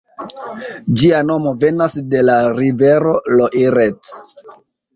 Ĝia nomo venas de la rivero Loiret.